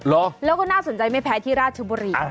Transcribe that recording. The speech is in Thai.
แล้วก็น่าสนใจไม่แพ้ที่ราชบุรี